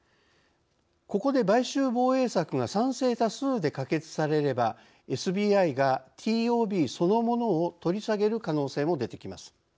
ここで買収防衛策が賛成多数で可決されればＳＢＩがＴＯＢそのものを取り下げる可能性も出てきます。